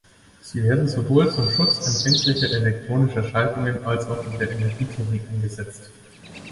Sie werden sowohl zum Schutz empfindlicher elektronischer Schaltungen als auch in der Energietechnik eingesetzt.